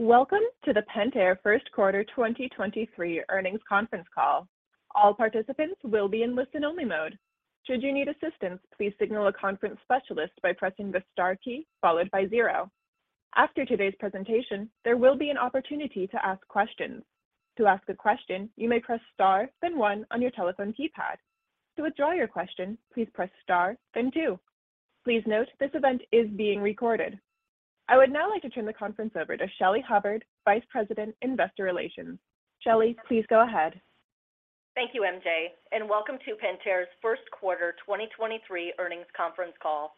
Welcome to the Pentair first quarter 2023 earnings conference call. All participants will be in listen-only mode. Should you need assistance, please signal a conference specialist by pressing the star key followed by zero. After today's presentation, there will be an opportunity to ask questions. To ask a question, you may press star, then one on your telephone keypad. To withdraw your question, please press star, then two. Please note this event is being recorded. I would now like to turn the conference over to Shelly Hubbard, Vice President, Investor Relations. Shelly, please go ahead. Thank you, MJ, and welcome to Pentair's first quarter 2023 earnings conference call.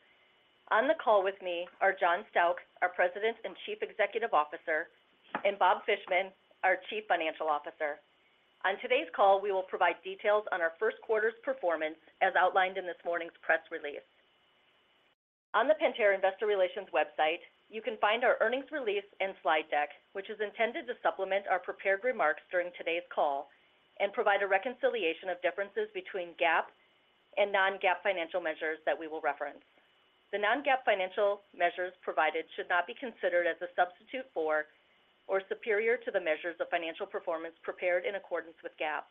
On the call with me are John Stauch, our President and Chief Executive Officer, and Bob Fishman, our Chief Financial Officer. On today's call, we will provide details on our first quarter's performance as outlined in this morning's press release. On the Pentair Investor Relations website, you can find our earnings release and slide deck, which is intended to supplement our prepared remarks during today's call and provide a reconciliation of differences between GAAP and non-GAAP financial measures that we will reference. The non-GAAP financial measures provided should not be considered as a substitute for or superior to the measures of financial performance prepared in accordance with GAAP.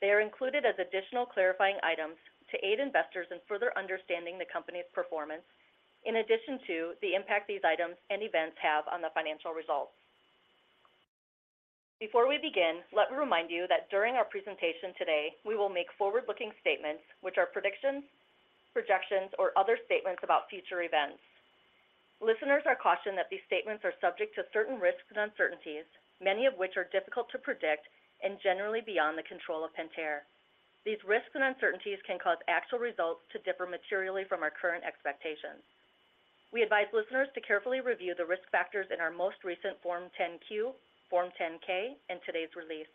They are included as additional clarifying items to aid investors in further understanding the company's performance in addition to the impact these items and events have on the financial results. Before we begin, let me remind you that during our presentation today, we will make forward-looking statements which are predictions, projections, or other statements about future events. Listeners are cautioned that these statements are subject to certain risks and uncertainties, many of which are difficult to predict and generally beyond the control of Pentair. These risks and uncertainties can cause actual results to differ materially from our current expectations. We advise listeners to carefully review the risk factors in our most recent Form 10-Q, Form 10-K in today's release.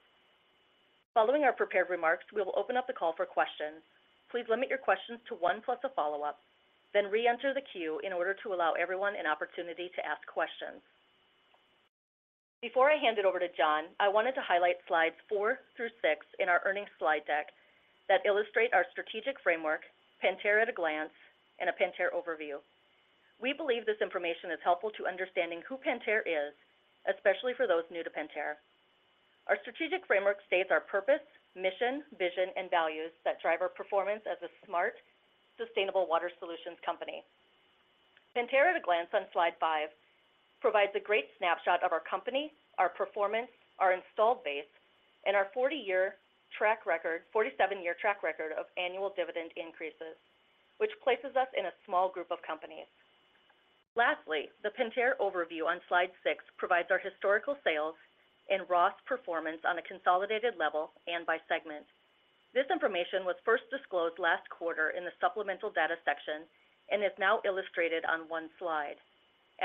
Following our prepared remarks, we will open up the call for questions. Please limit your questions to one plus a follow-up, then re-enter the queue in order to allow everyone an opportunity to ask questions. Before I hand it over to John, I wanted to highlight slides four through six in our earnings slide deck that illustrate our strategic framework, Pentair at a glance, and a Pentair overview. We believe this information is helpful to understanding who Pentair is, especially for those new to Pentair. Our strategic framework states our purpose, mission, vision, and values that drive our performance as a smart, sustainable Water Solutions company. Pentair at a glance on slide five provides a great snapshot of our company, our performance, our installed base, and our 40-year track record... 47-year track record of annual dividend increases, which places us in a small group of companies. The Pentair overview on slide six provides our historical sales and ROS performance on a consolidated level and by segment. This information was first disclosed last quarter in the supplemental data section and is now illustrated on one slide.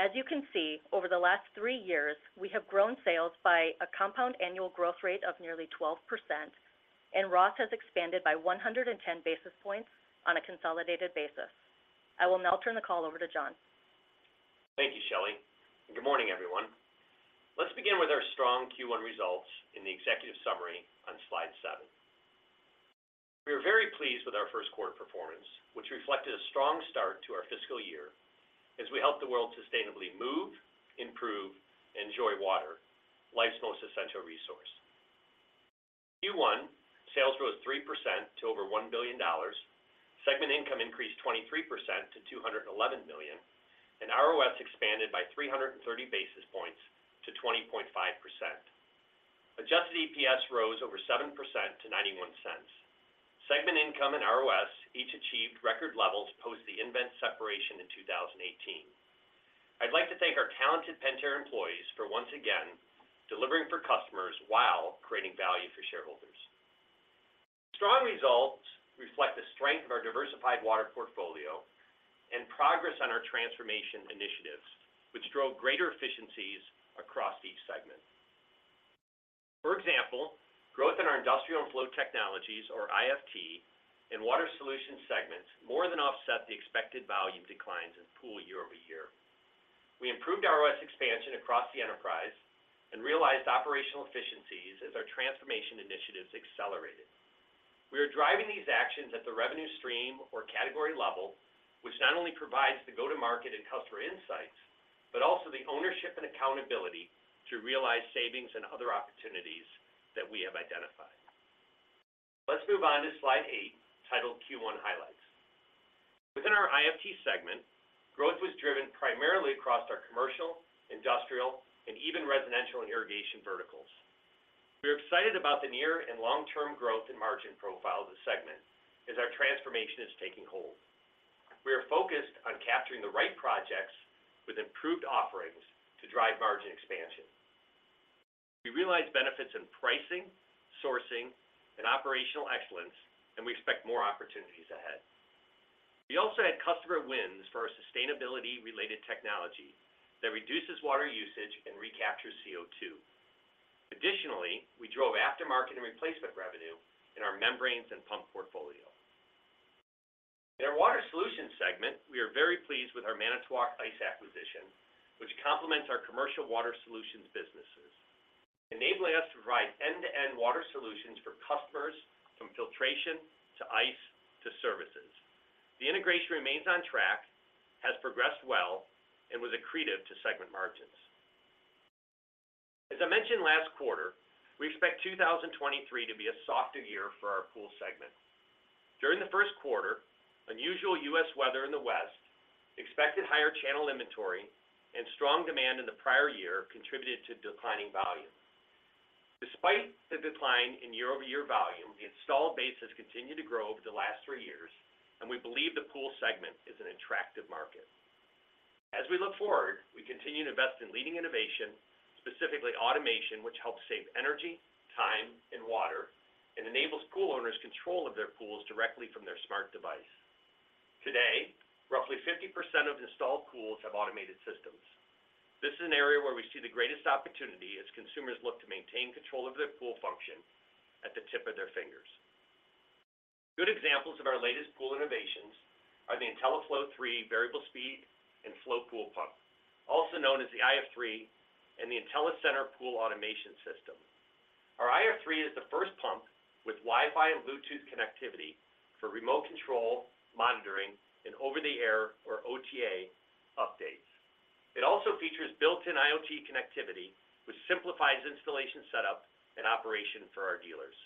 As you can see, over the last three years, we have grown sales by a compound annual growth rate of nearly 12%, and ROS has expanded by 110 basis points on a consolidated basis. I will now turn the call over to John. Thank you, Shelly. Good morning, everyone. Let's begin with our strong Q1 results in the executive summary on slide seven. We are very pleased with our first quarter performance, which reflected a strong start to our fiscal year as we help the world sustainably move, improve, enjoy water, life's most essential resource. Q1 sales rose 3% to over $1 billion. Segment income increased 23% to $211 million, and ROS expanded by 330 basis points to 20.5%. Adjusted EPS rose over 7% to $0.91. Segment income and ROS each achieved record levels post the nVent separation in 2018. I'd like to thank our talented Pentair employees for once again delivering for customers while creating value for shareholders. Strong results reflect the strength of our diversified Water portfolio and progress on our transformation initiatives, which drove greater efficiencies across each segment. For example, growth in our Industrial & Flow Technologies, or IFT, and Water Solutions segments more than offset the expected volume declines in Pool year-over-year. We improved ROS expansion across the enterprise and realized operational efficiencies as our transformation initiatives accelerated. We are driving these actions at the revenue stream or category level, which not only provides the go-to-market and customer insights, but also the ownership and accountability to realize savings and other opportunities that we have identified. Let's move on to slide eight, titled Q1 Highlights. Within our IFT segment, growth was driven primarily across our commercial, industrial, and even residential and irrigation verticals. We are excited about the near and long-term growth and margin profile of the segment as our transformation is taking hold. We are focused on capturing the right projects with improved offerings to drive margin expansion. We realized benefits in pricing, sourcing, and operational excellence. We expect more opportunities ahead. We also had customer wins for our sustainability-related technology that reduces Water usage and recaptures CO2. We drove aftermarket and replacement revenue in our membranes and pump portfolio. In our Water Solutions segment, we are very pleased with our Manitowoc Ice acquisition, which complements commercial Water Solutions business, enabling us to provide end-to-end Water Solutions for customers from filtration to ice to services. The integration remains on track, has progressed well, and was accretive to segment margins. As I mentioned last quarter, we expect 2023 to be a softer year for our Pool segment. During the first quarter, unusual U.S. weather in the West, expected higher channel inventory, and strong demand in the prior year contributed to declining volume. Despite the decline in year-over-year volume, the installed base has continued to grow over the last three years, and we believe the Pool segment is an attractive market. As we look forward, we continue to invest in leading innovation, specifically automation, which helps save energy, time, and Water, and enables Pool owners control of their pools directly from their smart device. Today, roughly 50% of installed pools have automated systems. This is an area where we see the greatest opportunity as consumers look to maintain control of their Pool function at the tip of their fingers. Good examples of our latest Pool innovations are the IntelliFlo3 Variable Speed & Flow Pool Pump, also known as the IF3, and the IntelliCenter Pool Automation System. Our IF3 is the first pump with Wi-Fi and Bluetooth connectivity for remote control, monitoring, and over-the-air, or OTA, updates. It also features built-in IoT connectivity, which simplifies installation setup and operation for our dealers.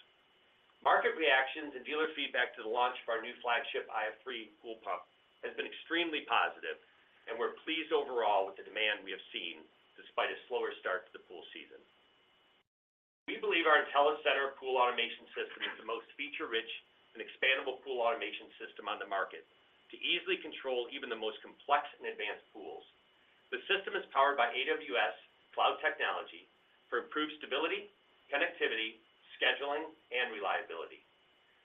Market reactions and dealer feedback to the launch of our new flagship IF3 Pool Pump has been extremely positive, and we're pleased overall with the demand we have seen despite a slower start to the pool season. We believe our IntelliCenter Pool Automation System is the most feature-rich and expandable pool automation system on the market to easily control even the most complex and advanced pools. The system is powered by AWS cloud technology for improved stability, connectivity, scheduling, and reliability.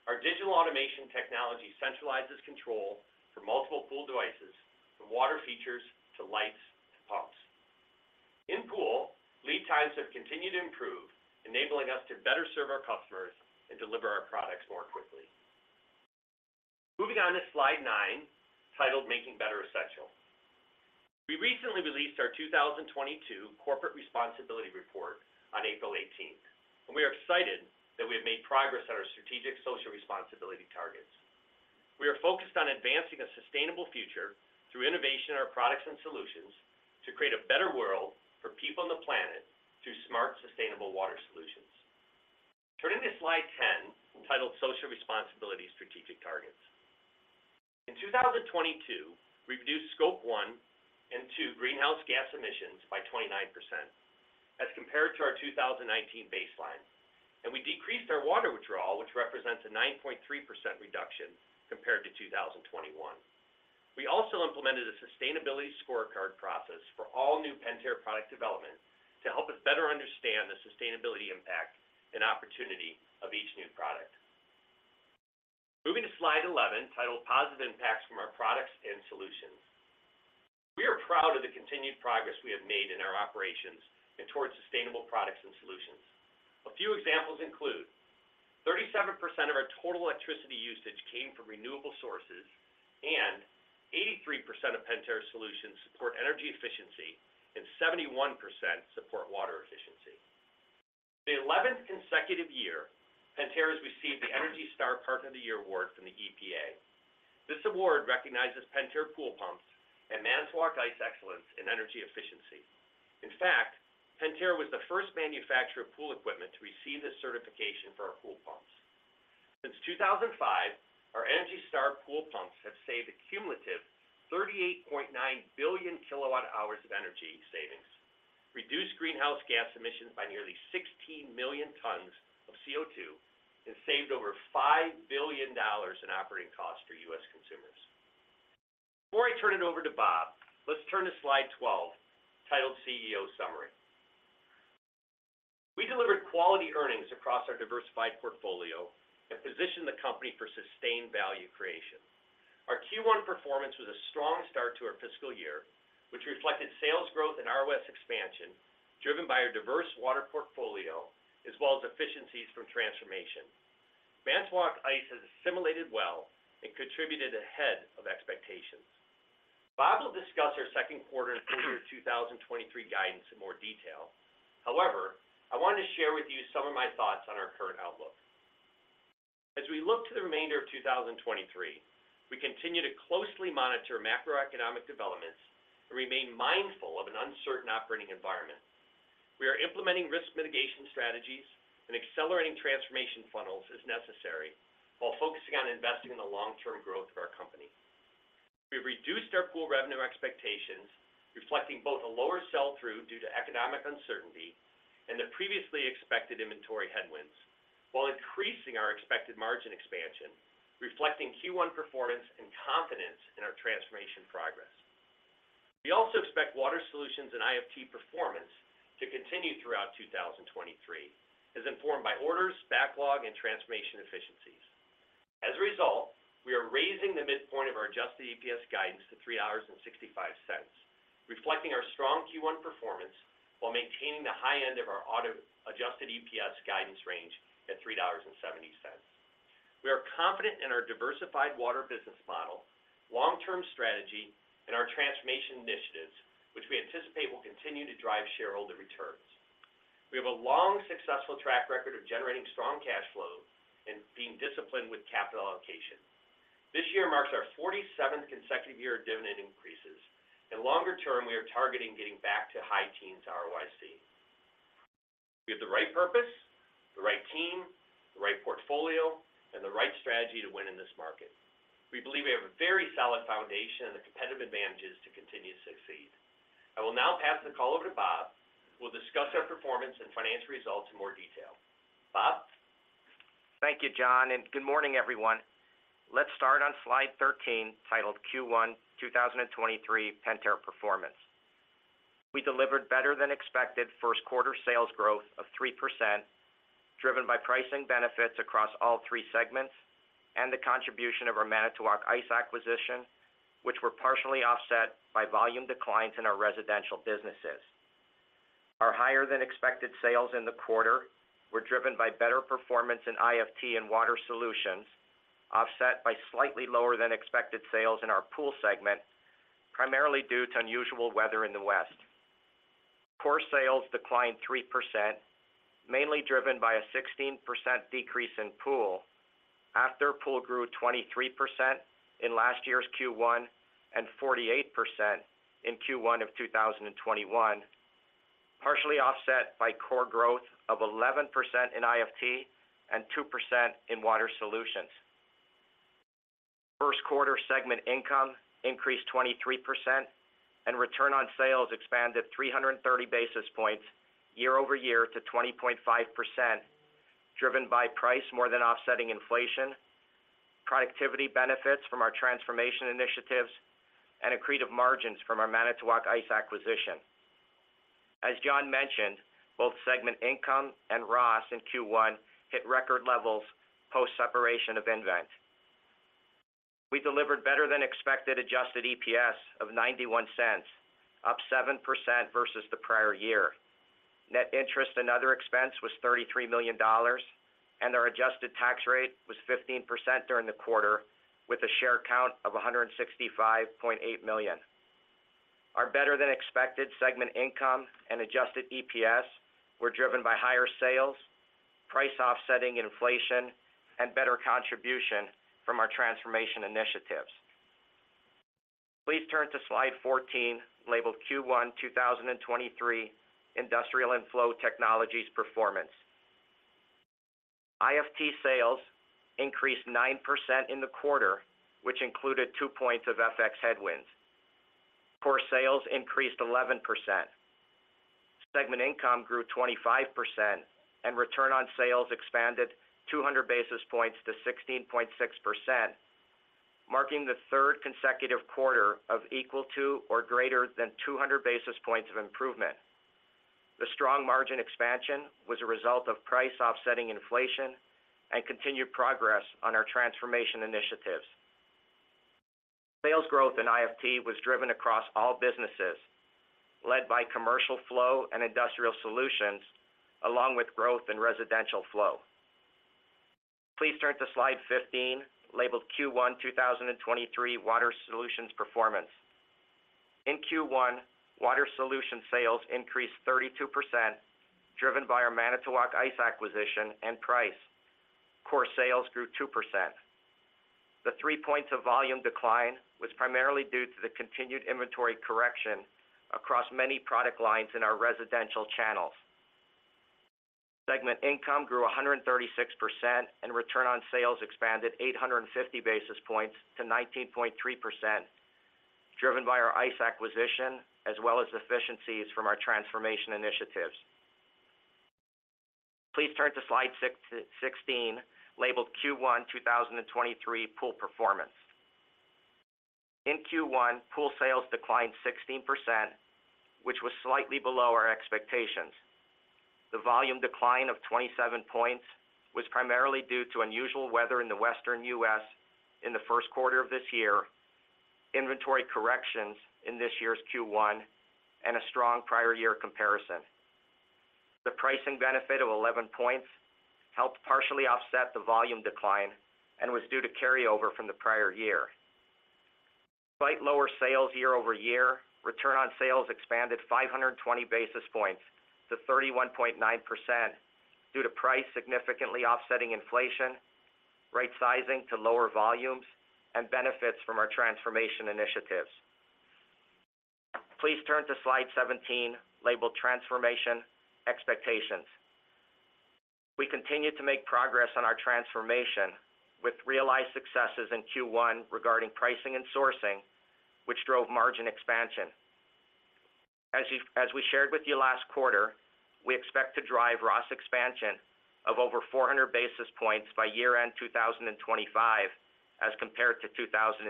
Our digital automation technology centralizes control for multiple pool devices from Water features to lights to pumps. In Pool, lead times have continued to improve, enabling us to better serve our customers and deliver our products more quickly. Moving on to slide nine, titled Making Better Essential. We recently released our 2022 corporate responsibility report on April 18th. We are excited that we have made progress on our strategic social responsibility targets. We are focused on advancing a sustainable future through innovation in our products and solutions to create a better world for people on the planet through smart, sustainable Water Solutions. Turning to slide 10, titled Social Responsibility Strategic Targets. In 2022, we reduced Scope 1 and 2 greenhouse gas emissions by 29% as compared to our 2019 baseline. We decreased our Water withdrawal, which represents a 9.3% reduction compared to 2021. We also implemented a sustainability scorecard process for all new Pentair product development to help us better understand the sustainability impact and opportunity of each new product. Moving to slide 11, titled Positive Impacts from Our Products and Solutions. We are proud of the continued progress we have made in our operations and towards sustainable products and solutions. A few examples include: 37% of our total electricity usage came from renewable sources, and 83% of Pentair solutions support energy efficiency, and 71% support Water efficiency. For the 11th consecutive year, Pentair has received the ENERGY STAR Partner of the Year award from the EPA. This award recognizes Pentair pool pumps and Manitowoc Ice excellence in energy efficiency. In fact, Pentair was the first manufacturer of pool equipment to receive this certification for our pool pumps. Since 2005, our ENERGY STAR pool pumps have saved a cumulative 38.9 billion kWh of energy savings, reduced greenhouse gas emissions by nearly 16 million tons of CO2, and saved over $5 billion in operating costs for U.S. consumers. Before I turn it over to Bob, let's turn to slide 12, titled CEO Summary. We delivered quality earnings across our diversified portfolio and positioned the company for sustained value creation. Our Q1 performance was a strong start to our fiscal year, which reflected sales growth and ROS expansion driven by our diverse Water portfolio as well as efficiencies from transformation. Manitowoc Ice has assimilated well and contributed ahead of expectations. Bob will discuss our second quarter and full year 2023 guidance in more detail. I want to share with you some of my thoughts on our current outlook. We look to the remainder of 2023, we continue to closely monitor macroeconomic developments and remain mindful of an uncertain operating environment. We are implementing risk mitigation strategies and accelerating transformation funnels as necessary while focusing on investing in the long-term growth of our company. We've reduced our pool revenue expectations, reflecting both a lower sell-through due to economic uncertainty and the previously expected inventory headwinds while increasing our expected margin expansion, reflecting Q1 performance and confidence in our transformation progress. We also expect Water Solutions and IFT performance to continue throughout 2023 as informed by orders, backlog, and transformation efficiencies. As a result, we are raising the midpoint of our adjusted EPS guidance to $3.65, reflecting our strong Q1 performance while maintaining the high end of our adjusted EPS guidance range at $3.70. We are confident in our diversified Water business model, long-term strategy, and our transformation initiatives, which we anticipate will continue to drive shareholder returns. We have a long successful track record of generating strong cash flow and being disciplined with capital allocation. This year marks our 47th consecutive year of dividend increases. Longer term, we are targeting getting back to high teens ROIC. We have the right purpose, the right team, the right portfolio, and the right strategy to win in this market. We believe we have a very solid foundation and the competitive advantages to continue to succeed. I will now pass the call over to Bob, who will discuss our performance and financial results in more detail. Bob? Thank you, John, and good morning, everyone. Let's start on slide 13, titled Q1 2023 Pentair Performance. We delivered better than expected first quarter sales growth of 3%, driven by pricing benefits across all three segments and the contribution of our Manitowoc Ice acquisition, which were partially offset by volume declines in our residential businesses. Our higher than expected sales in the quarter were driven by better performance in IFT and Water Solutions, offset by slightly lower than expected sales in our Pool segment, primarily due to unusual weather in the West. Core sales declined 3%, mainly driven by a 16% decrease in Pool after Pool grew 23% in last year's Q1 and 48% in Q1 of 2021, partially offset by core growth of 11% in IFT and 2% in Water Solutions. First quarter segment income increased 23% and return on sales expanded 330 basis points year-over-year to 20.5%, driven by price more than offsetting inflation, productivity benefits from our transformation initiatives, and accretive margins from our Manitowoc Ice acquisition. As John mentioned, both segment income and ROS in Q1 hit record levels post-separation of nVent. We delivered better than expected adjusted EPS of $0.91, up 7% versus the prior year. Net interest and other expense was $33 million, and our adjusted tax rate was 15% during the quarter, with a share count of 165.8 million. Our better than expected segment income and adjusted EPS were driven by higher sales, price offsetting inflation, and better contribution from our transformation initiatives. Please turn to slide 14, labeled Q1 2023 Industrial & Flow Technologies Performance. IFT sales increased 9% in the quarter, which included 2 points of FX headwinds. Core sales increased 11%. Segment income grew 25%, and return on sales expanded 200 basis points to 16.6%, marking the third consecutive quarter of equal to or greater than 200 basis points of improvement. The strong margin expansion was a result of price offsetting inflation and continued progress on our transformation initiatives. Sales growth in IFT was driven across all businesses, led by commercial flow and Industrial Solutions, along with growth in residential flow. Please turn to slide 15, labeled Q1 2023 Water Solutions Performance. In Q1, Water Solutions sales increased 32%, driven by our Manitowoc Ice acquisition and price. Core sales grew 2%. The 3 points of volume decline was primarily due to the continued inventory correction across many product lines in our residential channels. Segment income grew 136%, return on sales expanded 850 basis points to 19.3%, driven by our Ice acquisition as well as efficiencies from our transformation initiatives. Please turn to slide 16, labeled Q1 2023 Pool Performance. In Q1, Pool sales declined 16%, which was slightly below our expectations. The volume decline of 27 points was primarily due to unusual weather in the Western U.S. in the first quarter of this year, inventory corrections in this year's Q1, and a strong prior year comparison. The pricing benefit of 11 points helped partially offset the volume decline and was due to carryover from the prior year. Despite lower sales year-over-year, return on sales expanded 520 basis points to 31.9% due to price significantly offsetting inflation, right-sizing to lower volumes, and benefits from our transformation initiatives. Please turn to slide 17, labeled Transformation Expectations. We continue to make progress on our transformation with realized successes in Q1 regarding pricing and sourcing, which drove margin expansion. As we shared with you last quarter, we expect to drive ROS expansion of over 400 basis points by year-end 2025 as compared to 2022.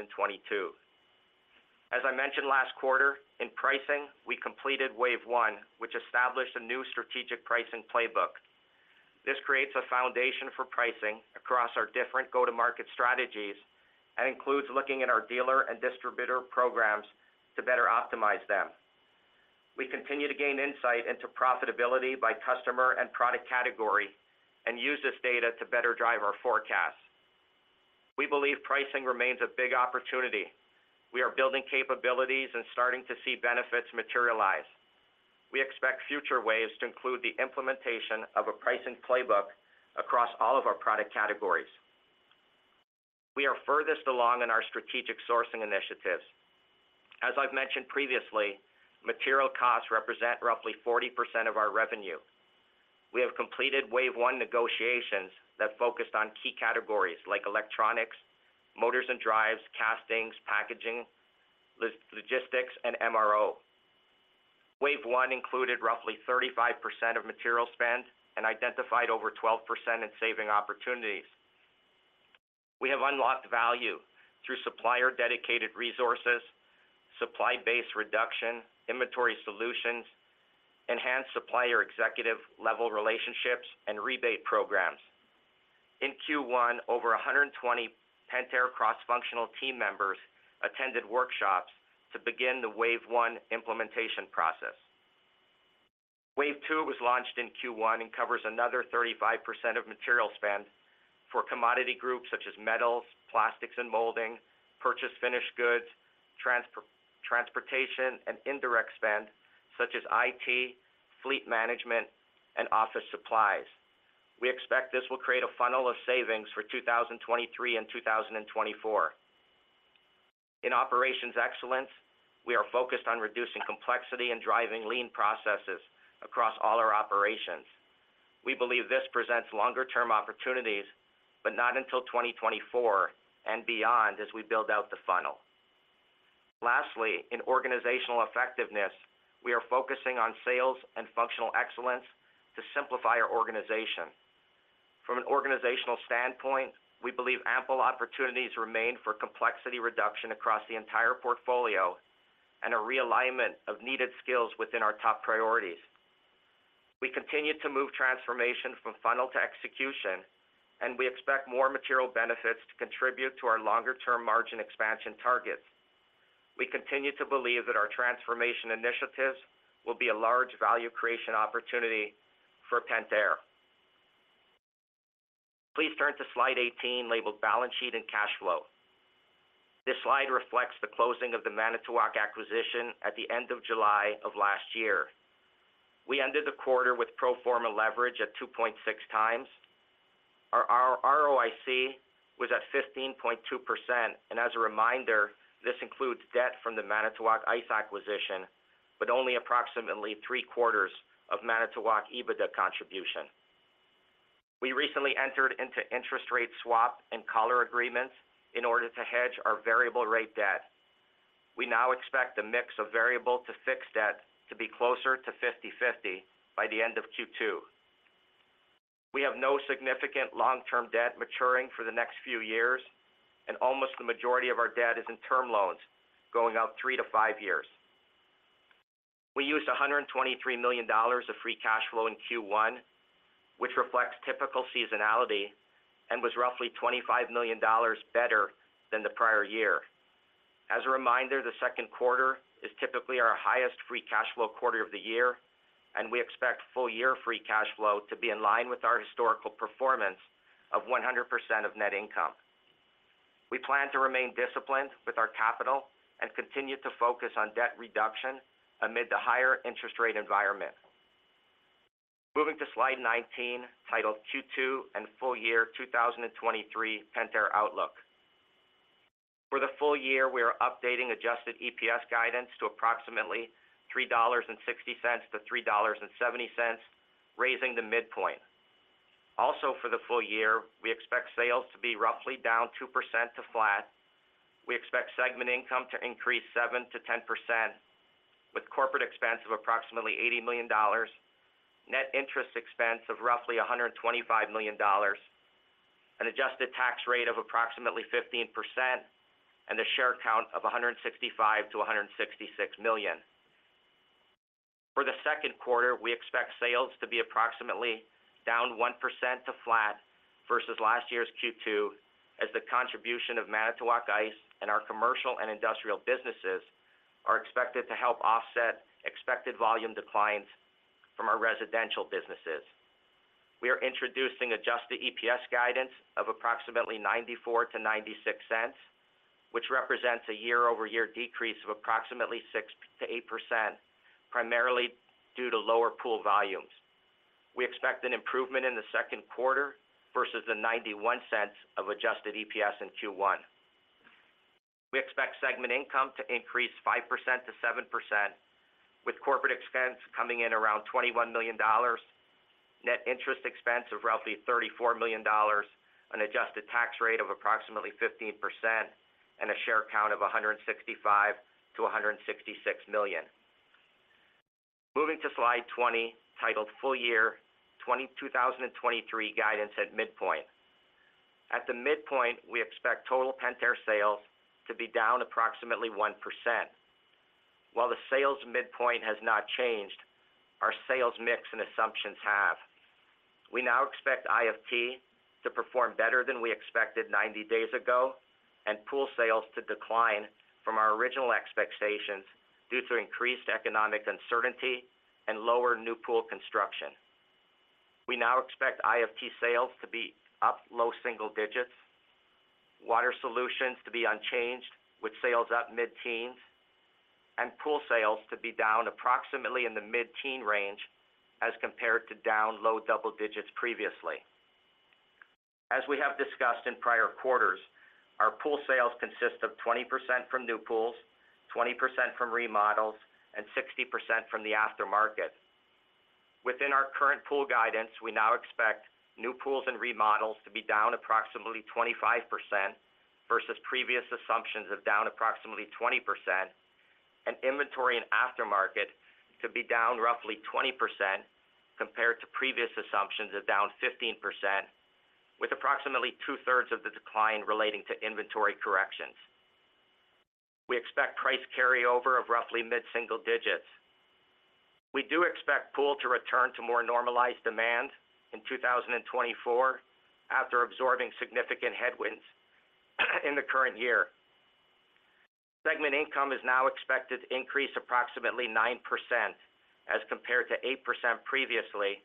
As I mentioned last quarter, in pricing, we completed Wave 1, which established a new strategic pricing playbook. This creates a foundation for pricing across our different go-to-market strategies and includes looking at our dealer and distributor programs to better optimize them. We continue to gain insight into profitability by customer and product category and use this data to better drive our forecasts. We believe pricing remains a big opportunity. We are building capabilities and starting to see benefits materialize. We expect future waves to include the implementation of a pricing playbook across all of our product categories. We are furthest along in our strategic sourcing initiatives. As I've mentioned previously, material costs represent roughly 40% of our revenue. We have completed Wave 1 negotiations that focused on key categories like electronics, motors and drives, castings, packaging, logistics, and MRO. Wave 1 included roughly 35% of material spend and identified over 12% in saving opportunities. We have unlocked value through supplier-dedicated resources, supply base reduction, inventory solutions, enhanced supplier executive-level relationships, and rebate programs. In Q1, over 120 Pentair cross-functional team members attended workshops to begin the Wave 1 implementation process. Wave 2 was launched in Q1 and covers another 35% of material spend for commodity groups such as metals, plastics and molding, purchase finished goods, transportation and indirect spend such as IT, fleet management, and office supplies. We expect this will create a funnel of savings for 2023 and 2024. In operations excellence, we are focused on reducing complexity and driving lean processes across all our operations. We believe this presents longer term opportunities, but not until 2024 and beyond as we build out the funnel. Lastly, in organizational effectiveness, we are focusing on sales and functional excellence to simplify our organization. From an organizational standpoint, we believe ample opportunities remain for complexity reduction across the entire portfolio and a realignment of needed skills within our top priorities. We continue to move transformation from funnel to execution. We expect more material benefits to contribute to our longer-term margin expansion targets. We continue to believe that our transformation initiatives will be a large value creation opportunity for Pentair. Please turn to slide 18, labeled Balance Sheet and Cash Flow. This slide reflects the closing of the Manitowoc acquisition at the end of July of last year. We ended the quarter with pro forma leverage at 2.6x. Our ROIC was at 15.2%. As a reminder, this includes debt from the Manitowoc Ice acquisition, but only approximately three-quarters of Manitowoc EBITDA contribution. We recently entered into interest rate swap and collar agreements in order to hedge our variable rate debt. We now expect a mix of variable to fixed debt to be closer to 50/50 by the end of Q2. Almost the majority of our debt is in term loans going out three to five years. We used $123 million of free cash flow in Q1, which reflects typical seasonality and was roughly $25 million better than the prior year. As a reminder, the second quarter is typically our highest free cash flow quarter of the year, and we expect full year free cash flow to be in line with our historical performance of 100% of net income. We plan to remain disciplined with our capital and continue to focus on debt reduction amid the higher interest rate environment. Moving to slide 19, titled Q2 and Full Year 2023 Pentair Outlook. For the full year, we are updating adjusted EPS guidance to approximately $3.60-$3.70, raising the midpoint. Also for the full year, we expect sales to be roughly down 2% to flat. We expect segment income to increase 7%-10% with corporate expense of approximately $80 million, net interest expense of roughly $125 million, an adjusted tax rate of approximately 15%, and a share count of 165 million-166 million. For the second quarter, we expect sales to be approximately down 1% to flat versus last year's Q2, as the contribution of Manitowoc Ice and our commercial and industrial businesses are expected to help offset expected volume declines from our residential businesses. We are introducing adjusted EPS guidance of approximately $0.94-$0.96, which represents a year-over-year decrease of approximately 6%-8%, primarily due to lower Pool volumes. We expect an improvement in the second quarter versus the $0.91 of adjusted EPS in Q1. We expect segment income to increase 5%-7%, with corporate expense coming in around $21 million, net interest expense of roughly $34 million, an adjusted tax rate of approximately 15%, and a share count of 165 million-166 million. Moving to slide 20, titled Full Year 2023 Guidance at Midpoint. At the midpoint, we expect total Pentair sales to be down approximately 1%. While the sales midpoint has not changed. Those mix and assumptions have. We now expect IFT to perform better than we expected 90 days ago, and Pool sales to decline from our original expectations due to increased economic uncertainty and lower new pool construction. We now expect IFT sales to be up low single digits, Water Solutions to be unchanged with sales up mid-teens, and Pool sales to be down approximately in the mid-teen range as compared to down low double digits previously. As we have discussed in prior quarters, our Pool sales consist of 20% from new pools, 20% from remodels, and 60% from the aftermarket. Within our current Pool guidance, we now expect new pools and remodels to be down approximately 25% versus previous assumptions of down approximately 20% and inventory and aftermarket to be down roughly 20% compared to previous assumptions of down 15%, with approximately two-thirds of the decline relating to inventory corrections. We expect price carryover of roughly mid-single digits. We do expect Pool to return to more normalized demand in 2024 after absorbing significant headwinds in the current year. Segment income is now expected to increase approximately 9% as compared to 8% previously,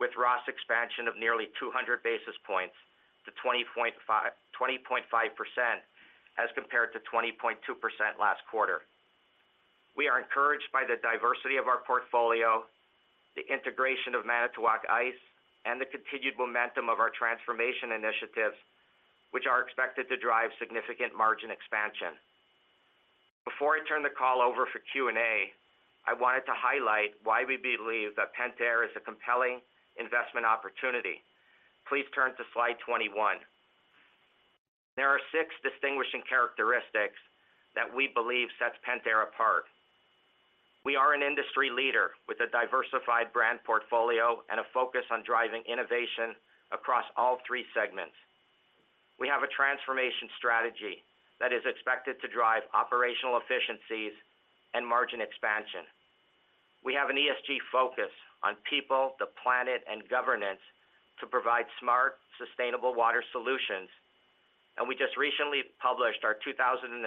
with ROS expansion of nearly 200 basis points to 20.5% as compared to 20.2% last quarter. We are encouraged by the diversity of our portfolio, the integration of Manitowoc Ice, and the continued momentum of our transformation initiatives, which are expected to drive significant margin expansion. Before I turn the call over for Q&A, I wanted to highlight why we believe that Pentair is a compelling investment opportunity. Please turn to slide 21. There are six distinguishing characteristics that we believe sets Pentair apart. We are an industry leader with a diversified brand portfolio and a focus on driving innovation across all three segments. We have a transformation strategy that is expected to drive operational efficiencies and margin expansion. We have an ESG focus on people, the planet, and governance to provide smart, sustainable Water Solutions. We just recently published our 2022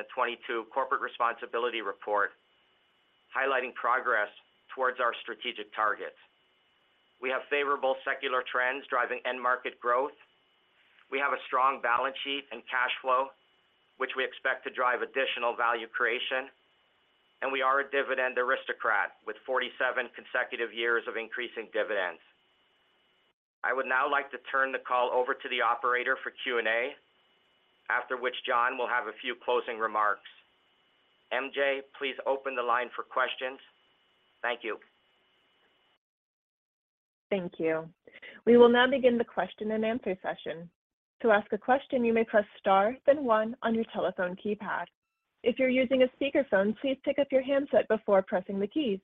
corporate responsibility report highlighting progress towards our strategic targets. We have favorable secular trends driving end market growth. We have a strong balance sheet and cash flow, which we expect to drive additional value creation. We are a dividend aristocrat with 47 consecutive years of increasing dividends. I would now like to turn the call over to the operator for Q&A, after which John will have a few closing remarks. MJ, please open the line for questions. Thank you. Thank you. We will now begin the question and answer session. To ask a question, you may press star, then one on your telephone keypad. If you're using a speaker phone, please pick up your handset before pressing the keys.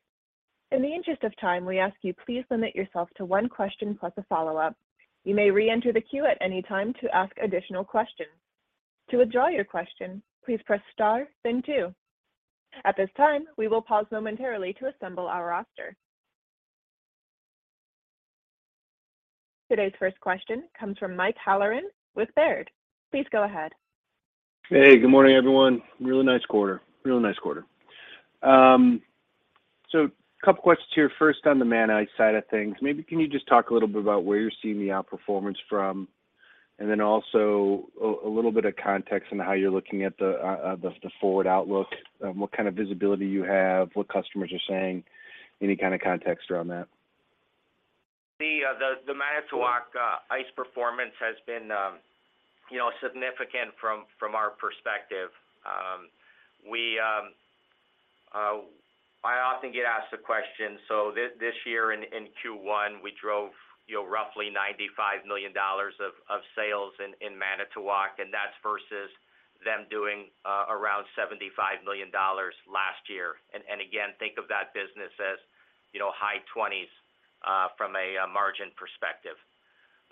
In the interest of time, we ask you please limit yourself to one question plus a follow-up. You may re-enter the queue at any time to ask additional questions. To withdraw your question, please press star, then two. At this time, we will pause momentarily to assemble our roster. Today's first question comes from Mike Halloran with Baird. Please go ahead. Good morning, everyone. Really nice quarter. A couple questions here. First on the Manitowoc side of things. Maybe can you just talk a little bit about where you're seeing the outperformance from? Also a little bit of context on how you're looking at the forward outlook, what kind of visibility you have, what customers are saying, any kinda context around that. The Manitowoc Ice performance has been, you know, significant from our perspective. We, I often get asked the question. This, this year in Q1, we drove, you know, roughly $95 million of sales in Manitowoc, and that's versus them doing around $75 million last year. Again, think of that business as, you know, high 20s from a margin perspective.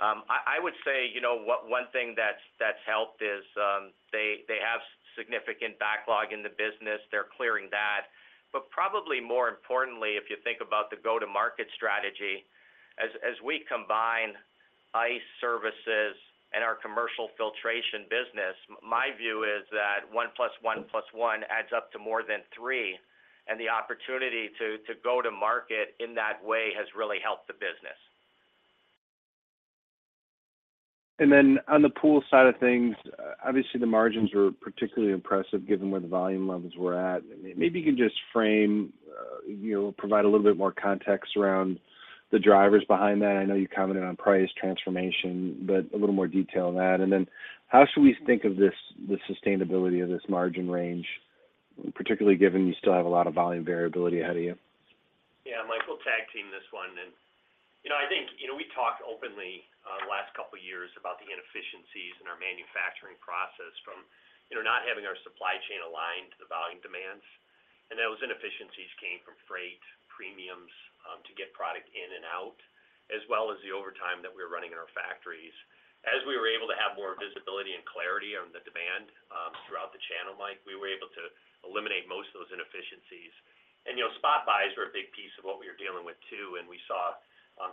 I would say, you know, one thing that's helped is they have significant backlog in the business. They're clearing that. Probably more importantly, if you think about the go-to-market strategy, as we combine ice services and our commercial filtration business, my view is that one plus one plus one adds up to more than three, and the opportunity to go to market in that way has really helped the business. On the Pool side of things, obviously the margins were particularly impressive given where the volume levels were at. Maybe you can just frame, you know, provide a little bit more context around the drivers behind that. I know you commented on price transformation, a little more detail on that. How should we think of this, the sustainability of this margin range, particularly given you still have a lot of volume variability ahead of you? Yeah. Mike, we'll tag team this one. you know, I think, you know, we talked openly the last couple of years about the inefficiencies in our manufacturing process from, you know, not having our supply chain aligned to the volume demands. Those inefficiencies came from freight premiums to get product in and out As well as the overtime that we were running in our factories. As we were able to have more visibility and clarity on the demand, throughout the channel, Mike, we were able to eliminate most of those inefficiencies. You know, spot buys were a big piece of what we were dealing with too, and we saw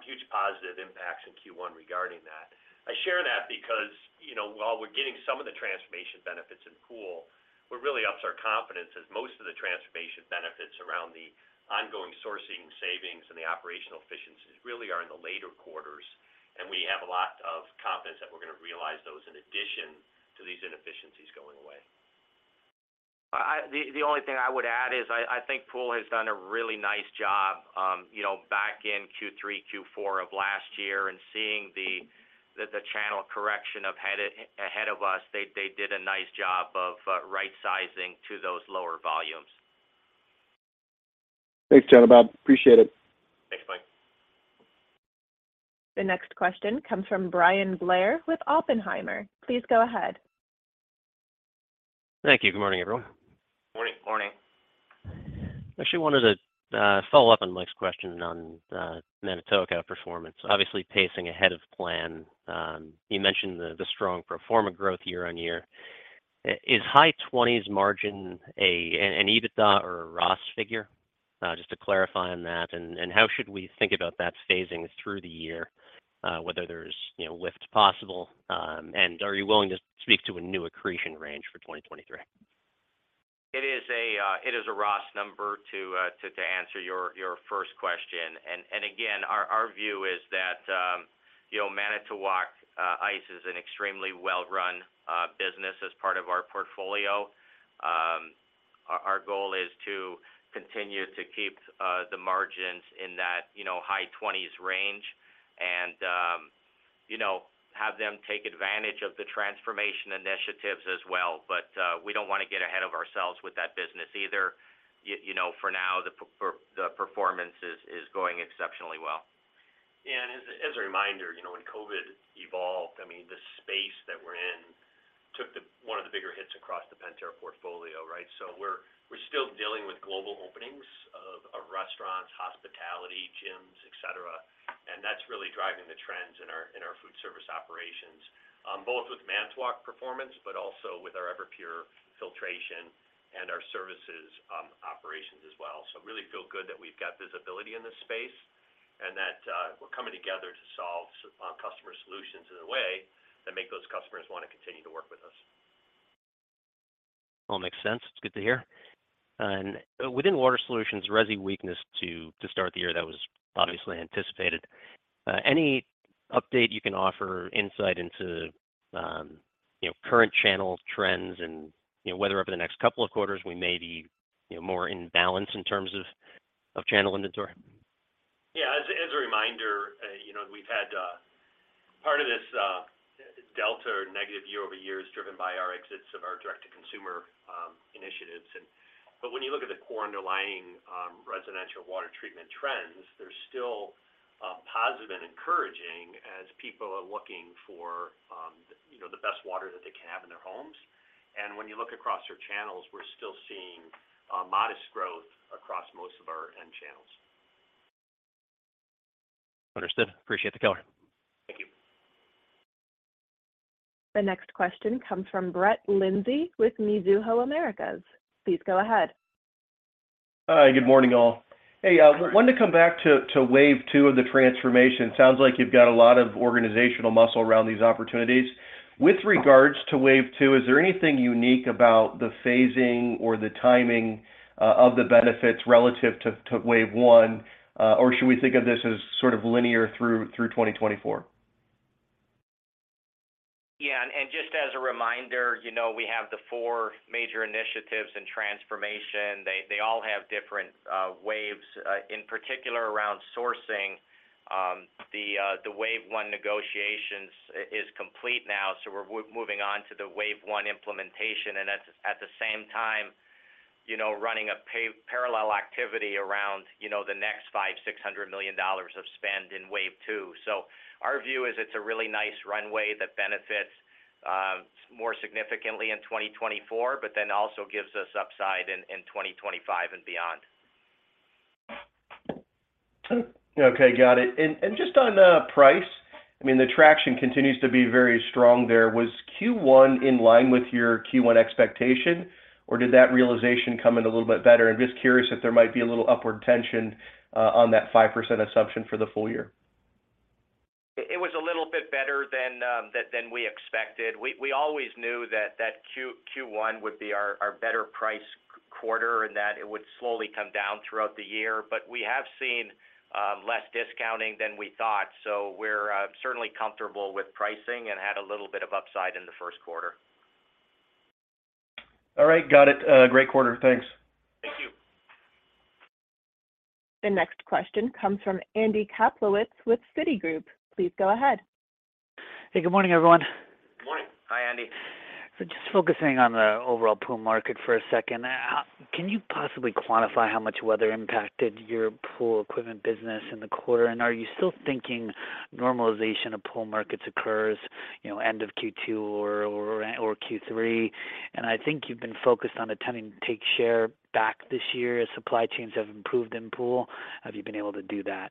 huge positive impacts in Q1 regarding that. I share that because, you know, while we're getting some of the transformation benefits in Pool, what really ups our confidence is most of the transformation benefits around the ongoing sourcing savings and the operational efficiencies really are in the later quarters, and we have a lot of confidence that we're gonna realize those in addition to these inefficiencies going away. The only thing I would add is I think Pool has done a really nice job, you know, back in Q3, Q4 of last year and seeing the channel correction ahead of us. They did a nice job of right-sizing to those lower volumes. Thanks, John Bob. Appreciate it. Thanks, Mike. The next question comes from Bryan Blair with Oppenheimer. Please go ahead. Thank you. Good morning, everyone. Morning. Morning. I actually wanted to follow up on Mike's question on Manitowoc performance. Obviously, pacing ahead of plan. You mentioned the strong proforma growth year-on-year. Is high-20s margin an EBITDA or a ROS figure? Just to clarify on that. How should we think about that phasing through the year, whether there's, you know, lift possible, and are you willing to speak to a new accretion range for 2023? It is a ROS number to answer your first question. Again, our view is that, you know, Manitowoc Ice is an extremely well-run business as part of our portfolio. Our goal is to continue to keep the margins in that, you know, high twenties range and, you know, have them take advantage of the transformation initiatives as well. We don't wanna get ahead of ourselves with that business either. You know, for now, the performance is going exceptionally well. Yeah. As a reminder, you know, when COVID evolved, I mean, the space that we're in took one of the bigger hits across the Pentair portfolio, right? We're still dealing with global openings of restaurants, hospitality, gyms, et cetera. That's really driving the trends in our food service operations, both with Manitowoc performance, but also with our Everpure filtration and our services operations as well. Really feel good that we've got visibility in this space and that we're coming together to solve customer solutions in a way that make those customers wanna continue to work with us. All makes sense. It's good to hear. Within Water Solutions, resi weakness to start the year, that was obviously anticipated. Any update you can offer insight into, you know, current channel trends and, you know, whether over the next couple of quarters we may be, you know, more in balance in terms of channel inventory? Yeah. As a reminder, you know, we've had part of this delta or negative year-over-year is driven by our exits of our direct-to-consumer initiatives. But when you look at the core underlying residential Water treatment trends, they're still positive and encouraging as people are looking for, you know, the best Water that they can have in their homes. When you look across your channels, we're still seeing modest growth across most of our end channels. Understood. Appreciate the color. Thank you. The next question comes from Brett Linzey with Mizuho Americas. Please go ahead. Hi, good morning, all. Wanted to come back to Wave 2 of the transformation. Sounds like you've got a lot of organizational muscle around these opportunities. With regards to Wave 2, is there anything unique about the phasing or the timing, of the benefits relative to Wave 1? Should we think of this as sort of linear through 2024? Just as a reminder, you know, we have the four major initiatives in transformation. They all have different waves. In particular around sourcing, the Wave 1 negotiations is complete now, we're moving on to the Wave 1 implementation. At the same time, you know, running a parallel activity around, you know, the next $500 million-$600 million of spend in Wave 2. Our view is it's a really nice runway that benefits more significantly in 2024, but then also gives us upside in 2025 and beyond. Okay. Got it. Just on price, I mean, the traction continues to be very strong there. Was Q1 in line with your Q1 expectation, or did that realization come in a little bit better? I'm just curious if there might be a little upward tension on that 5% assumption for the full year. It was a little bit better than we expected. We always knew that Q1 would be our better price quarter and that it would slowly come down throughout the year. We have seen less discounting than we thought, so we're certainly comfortable with pricing and had a little bit of upside in the first quarter. All right. Got it. great quarter. Thanks. Thank you. The next question comes from Andy Kaplowitz with Citigroup. Please go ahead. Hey, good morning, everyone. Good morning. Hi, Andy. Just focusing on the overall pool market for a second. Can you possibly quantify how much weather impacted your Pool equipment business in the quarter? Are you still thinking normalization of Pool markets occurs, you know, end of Q2 or Q3? I think you've been focused on attempting to take share back this year as supply chains have improved in Pool. Have you been able to do that?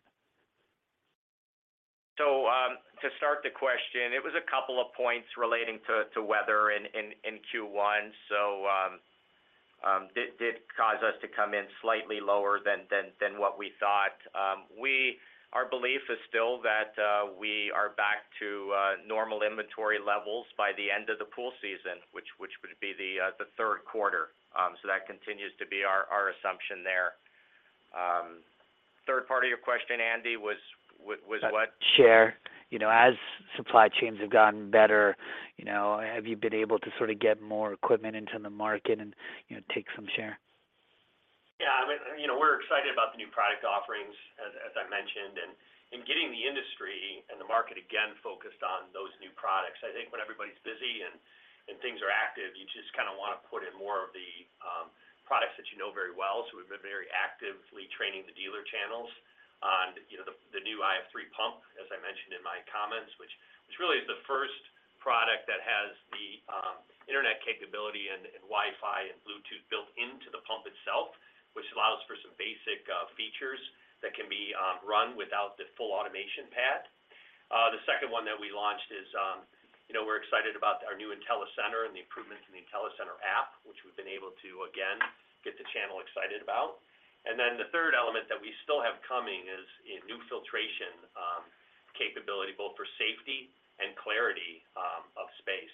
To start the question, it was a couple of points relating to weather in Q1. Did cause us to come in slightly lower than what we thought. Our belief is still that, we are back to normal inventory levels by the end of the pool season, which would be the third quarter. That continues to be our assumption there. Third part of your question, Andy was what? Share, you know, as supply chains have gotten better, you know, have you been able to sort of get more equipment into the market and, you know, take some share? I mean, you know, we're excited about the new product offerings as I mentioned, and getting the industry and the market, again, focused on those new products. I think when everybody's busy and things are active, you just kind of wanna put in more of the products that you know very well. We've been very actively training the dealer channels on, you know, the new IF3 Pump, as I mentioned in my comments, which really is the first product that has the internet capability and Wi-Fi and Bluetooth built into the pump itself, which allows for some basic features that can be run without the full automation pad. The second one that we launched is, we're excited about our new IntelliCenter and the improvements in the IntelliCenter app, which we've been able to again, get the channel excited about. The third element that we still have coming is a new filtration capability both for safety and clarity of space.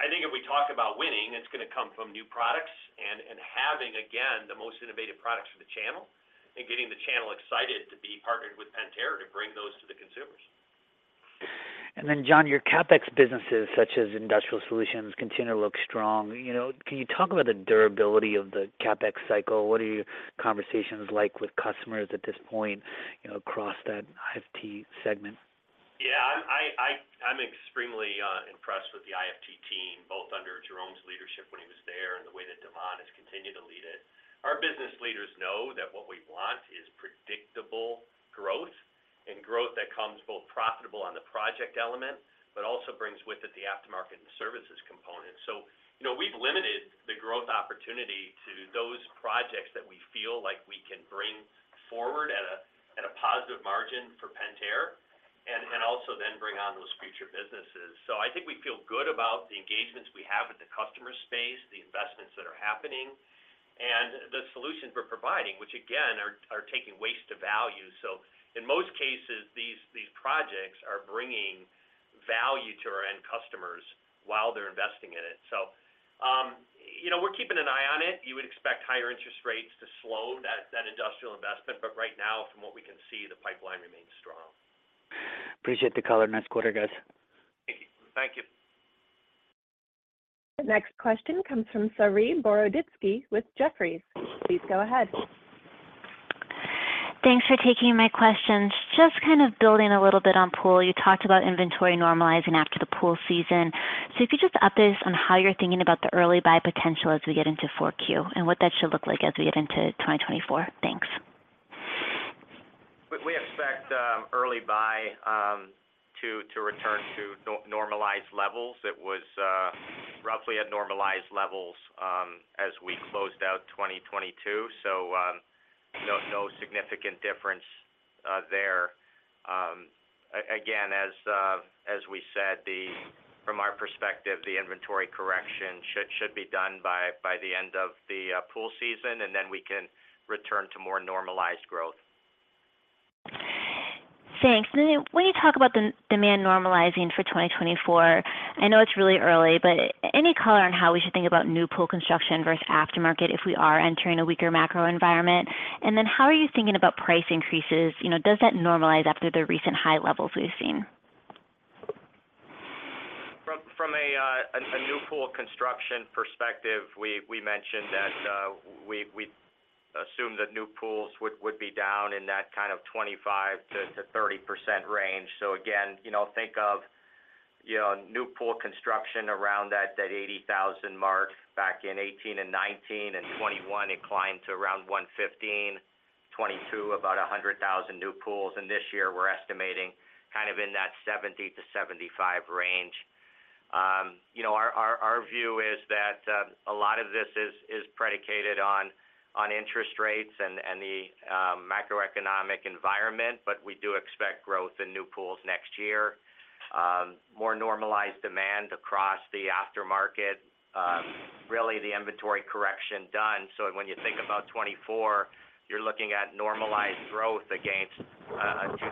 I think if we talk about winning, it's gonna come from new products and having, again, the most innovative products for the channel and getting the channel excited to be partnered with Pentair to bring those to the consumers. John, your CapEx businesses such as Industrial Solutions continue to look strong. You know, can you talk about the durability of the CapEx cycle? What are your conversations like with customers at this point, you know, across that IFT segment? I'm extremely impressed with the IFT team, both under Jerome's leadership when he was there, and the way that De'Mon has continued to lead it. Our business leaders know that what we want is predictable growth and growth that comes both profitable on the project element, but also brings with it the aftermarket and services component. You know, we've limited the growth opportunity to those projects that we feel like we can bring forward at a positive margin for Pentair and also then bring on those future businesses. I think we feel good about the engagements we have with the customer space, the investments that are happening, and the solutions we're providing, which again, are taking waste to value. In most cases, these projects are bringing value to our end customers while they're investing in it. You know, we're keeping an eye on it. You would expect higher interest rates to slow that industrial investment. Right now from what we can see, the pipeline remains strong. Appreciate the color. Nice quarter, guys. Thank you. Thank you. The next question comes from Saree Boroditsky with Jefferies. Please go ahead. Thanks for taking my questions. Just kind of building a little bit on Pool. You talked about inventory normalizing after the pool season. If you could just update us on how you're thinking about the early buy potential as we get into 4Q and what that should look like as we get into 2024? Thanks. We expect early buy to return to normalized levels. It was roughly at normalized levels as we closed out 2022. No significant difference there. Again, as we said, from our perspective, the inventory correction should be done by the end of the pool season, we can return to more normalized growth. Thanks. When you talk about demand normalizing for 2024, I know it's really early, but any color on how we should think about new pool construction versus aftermarket if we are entering a weaker macro environment? How are you thinking about price increases? You know, does that normalize after the recent high levels we've seen? From a new pool construction perspective, we mentioned that we assume that new pools would be down in that kind of 25%-30% range. Again, you know, think of, you know, new pool construction around that 80,000 mark back in 2018 and 2019. In 2021, it climbed to around 115. 2022, about 100,000 new pools. This year we're estimating kind of in that 70-75 range. You know, our view is that a lot of this is predicated on interest rates and the macroeconomic environment, but we do expect growth in new pools next year. More normalized demand across the aftermarket. Really the inventory correction done. When you think about 2024, you're looking at normalized growth against 2023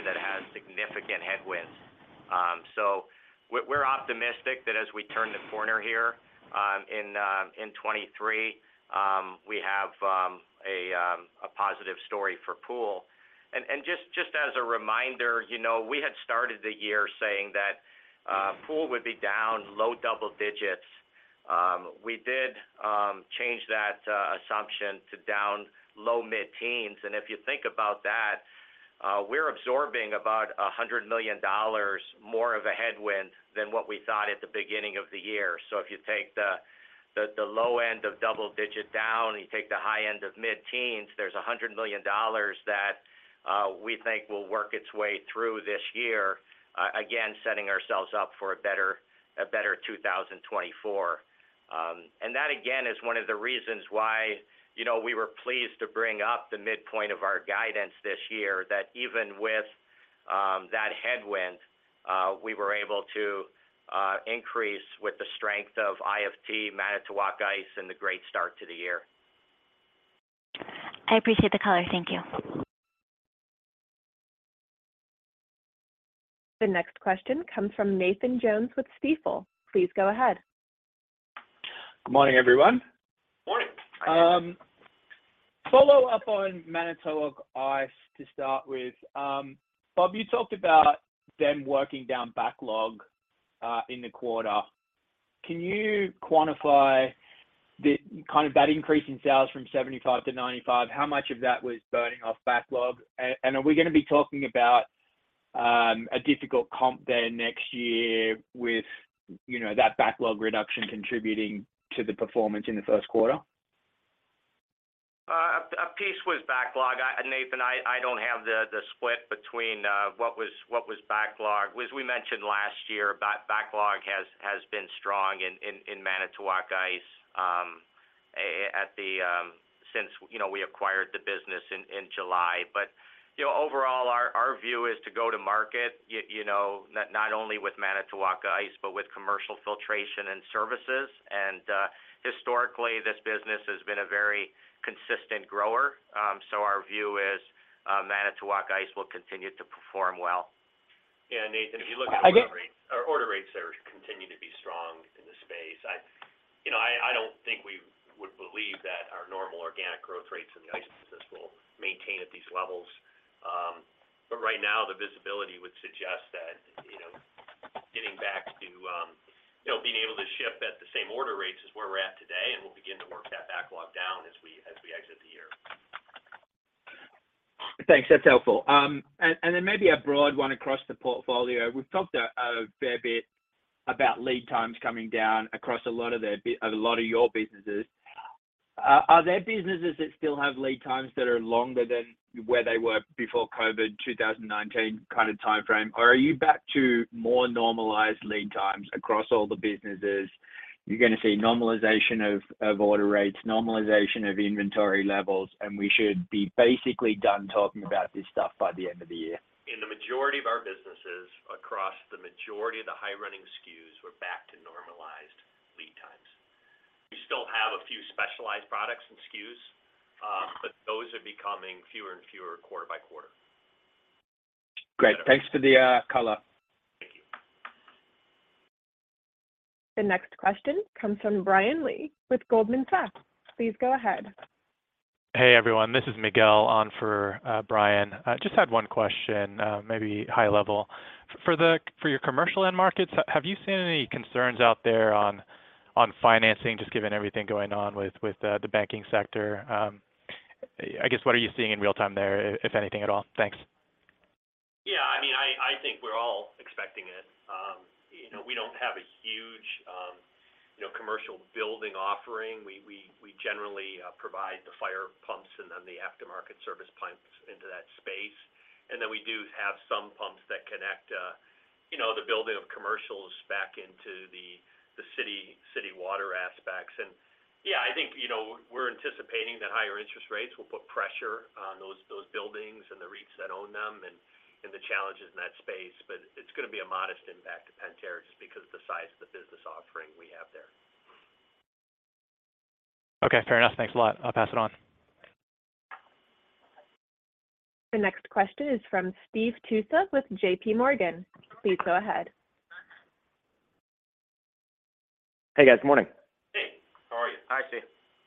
that has significant headwinds. We're optimistic that as we turn the corner here in 2023, we have a positive story for pool. Just as a reminder, you know, we had started the year saying that pool would be down low double digits. We did change that assumption to down low mid-teens. If you think about that, we're absorbing about $100 million more of a headwind than what we thought at the beginning of the year. If you take the low end of double-digit down, you take the high end of mid-teens, there's $100 million that we think will work its way through this year, again, setting ourselves up for a better 2024. And that again is one of the reasons why, you know, we were pleased to bring up the midpoint of our guidance this year that even with that headwind, we were able to increase with the strength of IFT, Manitowoc Ice, and the great start to the year. I appreciate the color. Thank you. The next question comes from Nathan Jones with Stifel. Please go ahead. Good morning, everyone. Morning. Follow up on Manitowoc Ice to start with. Bob, you talked about them working down backlog in the quarter. Can you quantify kind of that increase in sales from $75 to $95? Are we gonna be talking about a difficult comp there next year with, you know, that backlog reduction contributing to the performance in the first quarter? A piece was backlog. Nathan, I don't have the split between what was backlog. As we mentioned last year, backlog has been strong in Manitowoc Ice at the since, you know, we acquired the business in July. You know, overall our view is to go to market, you know, not only with Manitowoc Ice, but with Commercial Filtration & Foodservices. Historically, this business has been a very consistent grower, our view is Manitowoc Ice will continue to perform well. Yeah, Nathan, if you look at order rates, our order rates there continue to be strong in the space. You know, I don't think we would believe that our normal organic growth rates in the ice business will maintain at these levels. Right now, the visibility would suggest that, you know, getting back to, you know, being able to ship at the same order rates is where we're at today, and we'll begin to work that backlog down as we exit the year. Thanks. That's helpful. Then maybe a broad one across the portfolio. We've talked a fair bit about lead times coming down across a lot of your businesses. Are there businesses that still have lead times that are longer than where they were before COVID, 2019 kinda timeframe? Are you back to more normalized lead times across all the businesses? You're gonna see normalization of order rates, normalization of inventory levels, and we should be basically done talking about this stuff by the end of the year. In the majority of our businesses across the majority of the high running SKUs, we're back to normalized lead times. We still have a few specialized products and SKUs, those are becoming fewer and fewer quarter by quarter. Great. Thanks for the color. Thank you. The next question comes from Brian Lee with Goldman Sachs. Please go ahead. Hey, everyone. This is Miguel on for Brian. I just had one question, maybe high level. For your commercial end markets, have you seen any concerns out there on financing, just given everything going on with the banking sector? I guess, what are you seeing in real-time there, if anything at all? Thanks. Yeah. I mean, I think we're all expecting it. You know, we don't have a huge, you know, commercial building offering. We generally provide the fire pumps and then the aftermarket service pumps into that space. We do have some pumps that connect, you know, the building of commercials back into the city Water aspects. Yeah, I think, you know, we're anticipating that higher interest rates will put pressure on those buildings and the REITs that own them and the challenges in that space. It's gonna be a modest impact to Pentair just because of the size of the business offering we have there. Okay. Fair enough. Thanks a lot. I'll pass it on. The next question is from Steve Tusa with JPMorgan. Please go ahead. Hey, guys. Morning. Hey. How are you? Hi, Steve.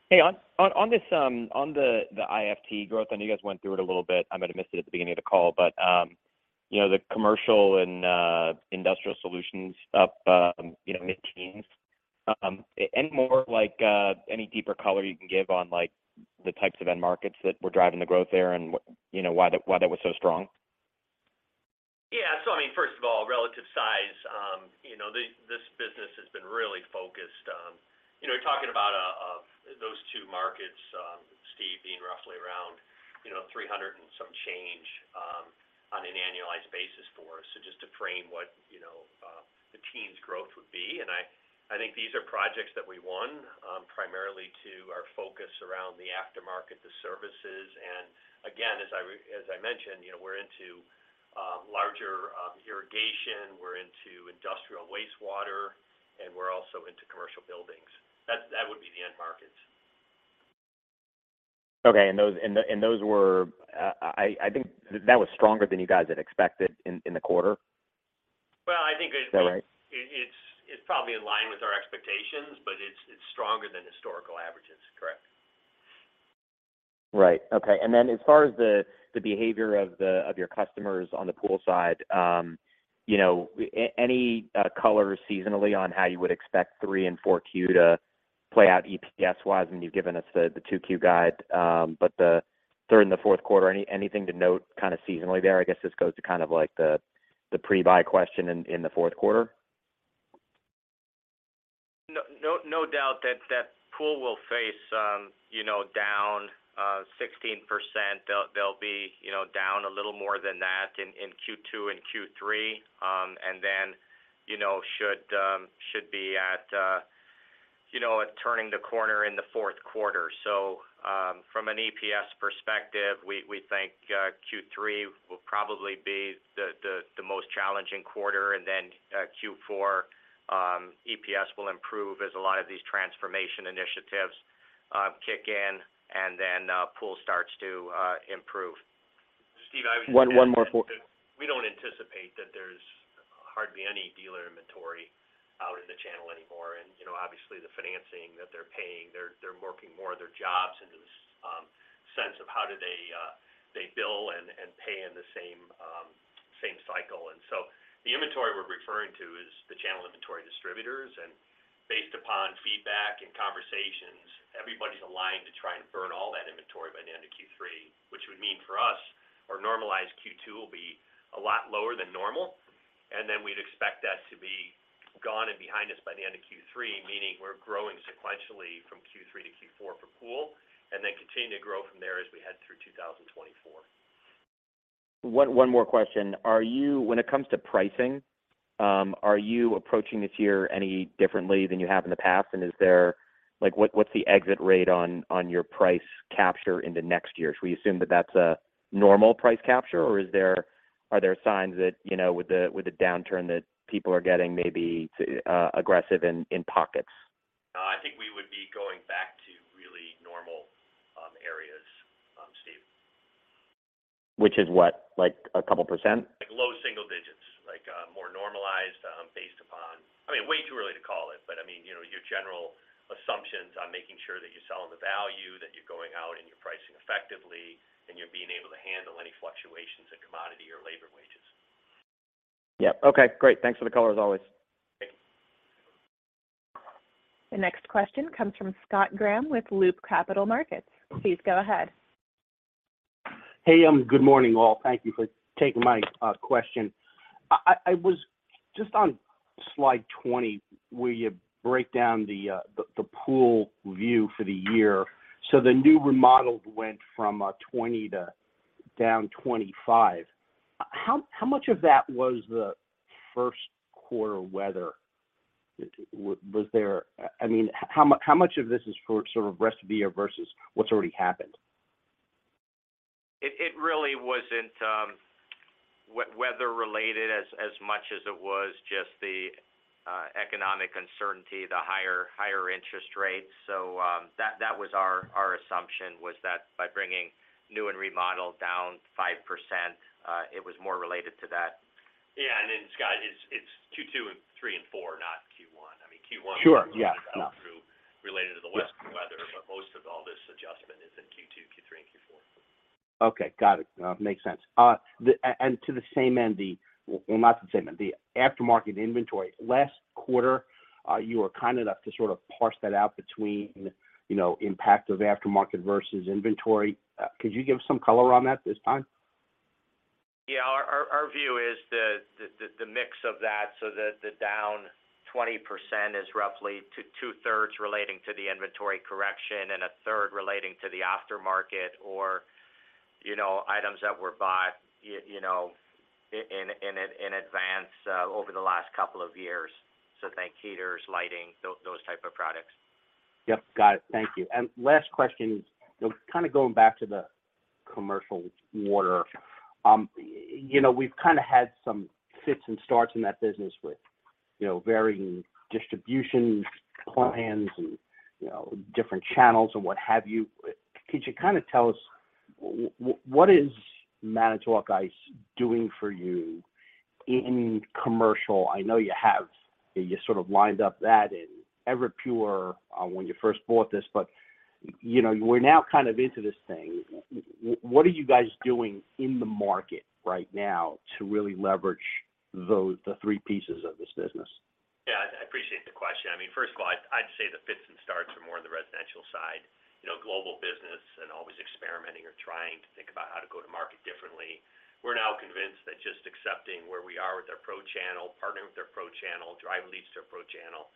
Hey. On this, on the IFT growth, I know you guys went through it a little bit. I might have missed it at the beginning of the call, you know, the Commercial and Industrial Solutions up, you know, mid-teens, any more like any deeper color you can give on, like, the types of end markets that were driving the growth there and, you know, why that was so strong? Yeah. I mean, first of all, relative size, you know, this business has been really focused on, you know, talking about those two markets, Steve, being roughly around, you know, $300 and some change on an annualized basis for us. Just to frame what, you know, the teens growth would be. I think these are projects that we won primarily to our focus around the aftermarket, the services. Again, as I mentioned, you know, we're into larger irrigation, we're into industrial wastewater, and we're also into commercial buildings. That would be the end markets. Okay. Those, and those were I think that was stronger than you guys had expected in the quarter? Well, I think— Is that right? —it's probably in line with our expectations, but it's stronger than historical averages. Correct. Right. Okay. As far as the behavior of your customers on the Pool side, you know, any color seasonally on how you would expect 3 and 4Q to play out EPS-wise? I mean, you've given us the 2Q guide, the third and fourth quarter, anything to note kinda seasonally there? I guess this goes to kind of like the The pre-buy question in the fourth quarter? No doubt that Pool will face, you know, down 16%. They'll be, you know, down a little more than that in Q2 and Q3. You know, should be at, you know, turning the corner in the fourth quarter. From an EPS perspective, we think Q3 will probably be the most challenging quarter, and then Q4 EPS will improve as a lot of these transformation initiatives kick in, and then Pool starts to improve. Steve, I would just add that— One more— —we don't anticipate that there's hardly any dealer inventory out in the channel anymore. You know, obviously the financing that they're paying, they're working more of their jobs into this sense of how do they bill and pay in the same same cycle. The inventory we're referring to is the channel inventory distributors. Based upon feedback and conversations, everybody's aligned to try and burn all that inventory by the end of Q3, which would mean for us, our normalized Q2 will be a lot lower than normal. Then we'd expect that to be gone and behind us by the end of Q3, meaning we're growing sequentially from Q3 to Q4 for pool, and then continue to grow from there as we head through 2024. One more question. When it comes to pricing, are you approaching this year any differently than you have in the past? What's the exit rate on your price capture into next year? Should we assume that that's a normal price capture, or are there signs that, you know, with the downturn that people are getting maybe aggressive in pockets? No, I think we would be going back to really normal areas, Steve. Which is what? Like a couple percent? Like low single digits, like more normalized. I mean, way too early to call it, but I mean, you know, your general assumptions on making sure that you're selling the value, that you're going out and you're pricing effectively, and you're being able to handle any fluctuations in commodity or labor wages. Yeah. Okay. Great. Thanks for the color as always. Thank you. The next question comes from Scott Graham with Loop Capital Markets. Please go ahead. Hey, good morning, all. Thank you for taking my question. I was just on slide 20, where you break down the Pool view for the year. The new remodeled went from 20% to down 25%. How much of that was the first quarter weather? I mean, how much of this is for sort of rest of the year versus what's already happened? It really wasn't weather related as much as it was just the economic uncertainty, the higher interest rates. That was our assumption was that by bringing new and remodeled down 5%, it was more related to that. Yeah. Scott, it's Q2 and 3 and 4, not Q1. I mean, Q1— Sure. Yeah. No. —related to the weather, but most of all this adjustment is in Q2, Q3, and Q4. Okay. Got it. Makes sense. Not the same end. The aftermarket inventory. Last quarter, you were kind enough to sort of parse that out between, you know, impact of aftermarket versus inventory. Could you give some color on that this time? Yeah. Our view is the mix of that, so the down 20% is roughly 2/3 relating to the inventory correction and 1/3 relating to the aftermarket or, you know, items that were bought you know, in advance over the last couple of years. Think heaters, lighting, those type of products. Yep. Got it. Thank you. Last question is, you know, kind of going back to the Commercial Water. You know, we've kind of had some fits and starts in that business with, you know, varying distribution plans and, you know, different channels and what have you. Could you kind of tell us what is Manitowoc Ice doing for you in commercial? You sort of lined up that and Everpure, when you first bought this, but, you know, we're now kind of into this thing. What are you guys doing in the market right now to really leverage the three pieces of this business? Yeah. I appreciate the question. I mean, first of all, I'd say the fits and starts are more on the residential side. You know, global business and always experimenting or trying to think about how to go to market differently. We're now convinced that just accepting where we are with our pro channel, partnering with our pro channel, driving leads to our pro channel,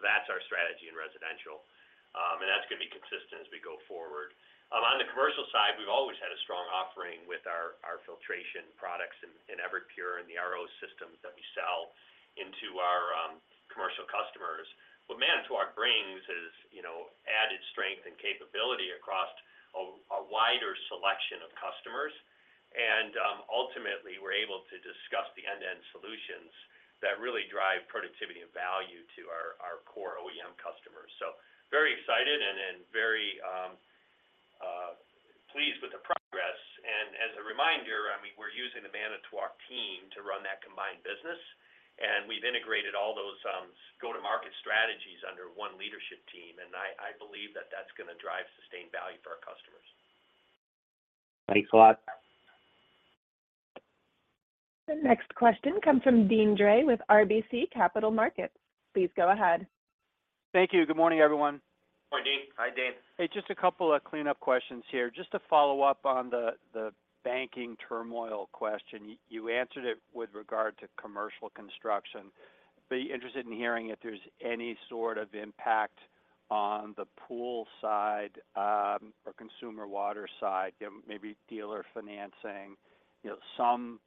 that's our strategy in residential. That's gonna be consistent as we go forward. On the commercial side, we've always had a strong offering with our filtration products in Everpure and the RO systems that we sell into our commercial customers. What Manitowoc brings is, you know, added strength and capability across a wider selection of customers. Ultimately, we're able to discuss the end-to-end solutions that really drive productivity and value to our core OEM customers. Very excited and very pleased with the progress. As a reminder, I mean, we're using the Manitowoc team to run that combined business, and we've integrated all those go-to-market strategies under one leadership team, I believe that that's gonna drive sustained value for our customers. Thanks a lot. The next question comes from Deane Dray with RBC Capital Markets. Please go ahead. Thank you. Good morning, everyone. Morning. Hi, Deane. Hey, just a couple of cleanup questions here. Just to follow up on the banking turmoil question. You answered it with regard to commercial construction. Be interested in hearing if there's any sort of impact on the Pool side, or consumer Water side, you know, maybe dealer financing. You know, some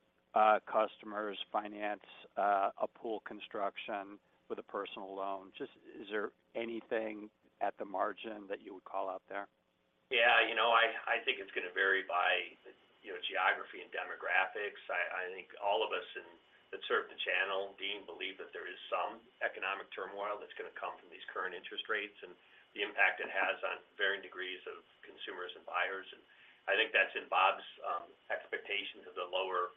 customers finance a pool construction with a personal loan. Just is there anything at the margin that you would call out there? Yeah. You know, I think it's gonna vary by, you know, geography and demographics. I think all of us that serve the channel, Deane, believe that there is some economic turmoil that's gonna come from these current interest rates and the impact it has on varying degrees of consumers and buyers. I think that's in Bob's expectation of the lower,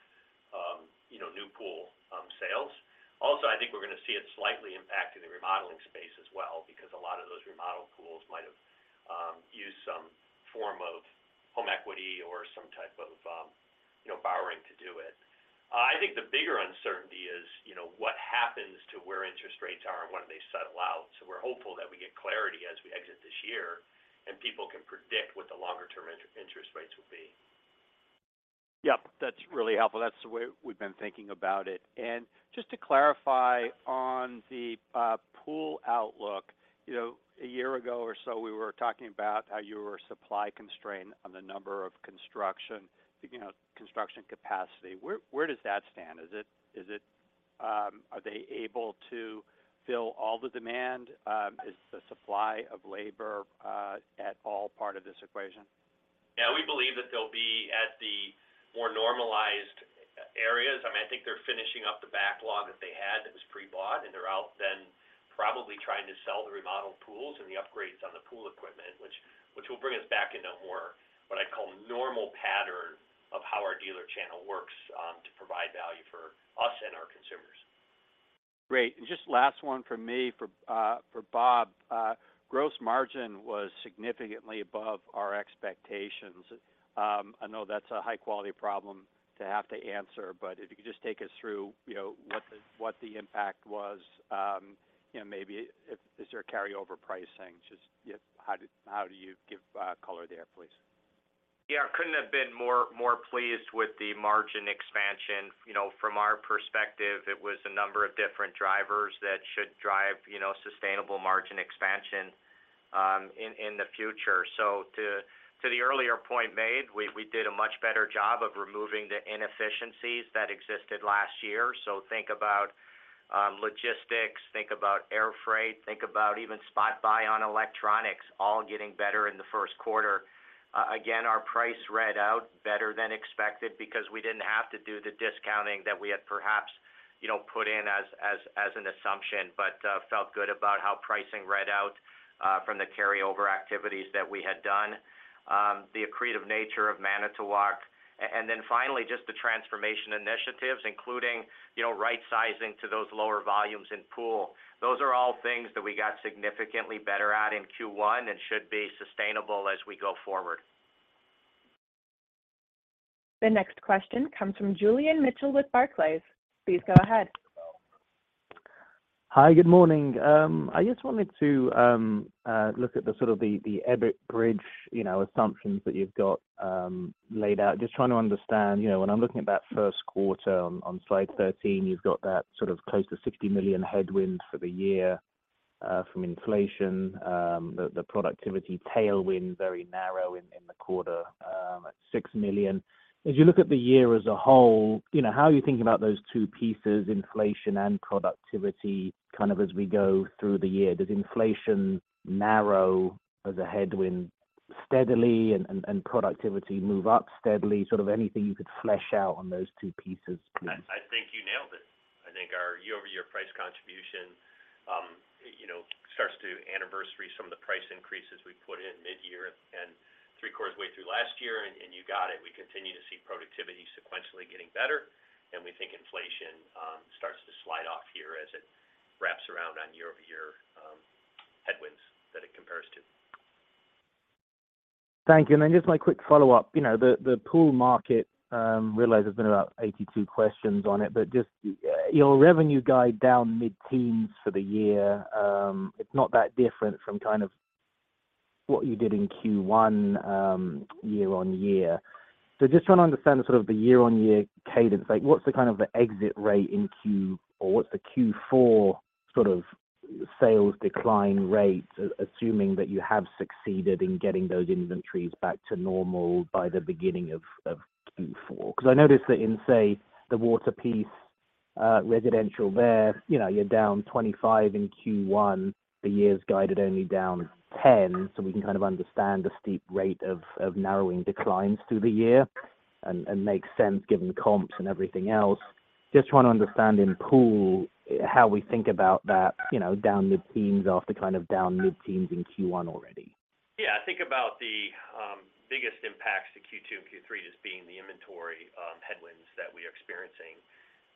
you know, new pool sales. I think we're gonna see it slightly impact in the remodeling space as well because a lot of those remodel pools might have used some form of home equity or some type of, you know, borrowing to do it. I think the bigger uncertainty is, you know, what happens to where interest rates are and when they settle out. We're hopeful that we get clarity as we exit this year, and people can predict what the longer term interest rates will be. Yep, that's really helpful. That's the way we've been thinking about it. Just to clarify on the Pool outlook. You know, a year ago or so, we were talking about how you were supply constrained on the number of construction, you know, construction capacity. Where does that stand? Is it? Are they able to fill all the demand? Is the supply of labor at all part of this equation? Yeah. We believe that they'll be at the more normalized areas. I mean, I think they're finishing up the backlog that they had that was pre-bought, and they're out then probably trying to sell the remodeled pools and the upgrades on the pool equipment, which will bring us back into a more, what I call normal pattern of how our dealer channel works to provide value for us and our consumers. Great. Just last one from me for Bob. Gross margin was significantly above our expectations. I know that's a high quality problem to have to answer, but if you could just take us through, you know, what the impact was, you know, maybe if is there a carryover pricing? Just yeah, how do you give color there, please? Yeah. Couldn't have been more pleased with the margin expansion. You know, from our perspective, it was a number of different drivers that should drive, you know, sustainable margin expansion in the future. To the earlier point made, we did a much better job of removing the inefficiencies that existed last year. Think about logistics, think about air freight, think about even spot buy on electronics, all getting better in the first quarter. Again, our price read out better than expected because we didn't have to do the discounting that we had perhaps, you know, put in as an assumption, but felt good about how pricing read out from the carryover activities that we had done, the accretive nature of Manitowoc. Then finally, just the transformation initiatives, including, you know, rightsizing to those lower volumes in Pool. Those are all things that we got significantly better at in Q1 and should be sustainable as we go forward. The next question comes from Julian Mitchell with Barclays. Please go ahead. Hi, good morning. I just wanted to look at the sort of the EBIT bridge, you know, assumptions that you've got laid out. Just trying to understand, you know, when I'm looking at that first quarter on slide 13, you've got that sort of close to $60 million headwind for the year from inflation. The productivity tailwind very narrow in the quarter at $6 million. As you look at the year as a whole, you know, how are you thinking about those two pieces, inflation and productivity, kind of as we go through the year? Does inflation narrow as a headwind steadily and productivity move up steadily? Sort of anything you could flesh out on those two pieces, please. I think you nailed it. I think our year-over-year price contribution, you know, starts to anniversary some of the price increases we put in midyear and three-quarters way through last year. You got it. We continue to see productivity sequentially getting better, and we think inflation starts to slide off here as it wraps around on year-over-year headwinds that it compares to. Thank you. Just my quick follow-up. You know, the pool market, realize there's been about 82 questions on it, but just, you know, revenue guide down mid-teens for the year, it's not that different from kind of what you did in Q1 year-over-year. Just trying to understand sort of the year-over-year cadence. Like, what's the kind of the exit rate in Q or what's the Q4 sort of sales decline rate assuming that you have succeeded in getting those inventories back to normal by the beginning of Q4? I noticed that in, say, the Water piece, residential there, you know, you're down 25% in Q1. The year is guided only down 10%. We can kind of understand the steep rate of narrowing declines through the year and makes sense given comps and everything else. Just trying to understand in pool how we think about that, you know, down mid-teens after kind of down mid-teens in Q1 already. I think about the biggest impacts to Q2 and Q3 just being the inventory headwinds that we're experiencing.